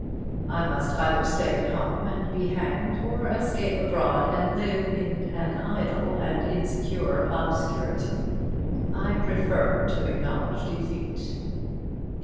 I must either stay at home and be hanged or escape abroad and live in an idle and insecure obscurity. I prefer to acknowledge defeat.